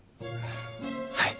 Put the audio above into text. はい。